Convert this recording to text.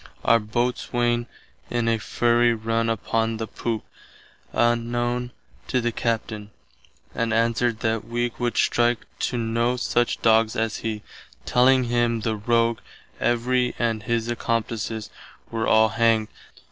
Our Boatswaine in a fury run upon the poop, unknown to the Captain, and answered that wee would strike to noe such doggs as he, telling him the rogue Every and his accomplices were all hanged.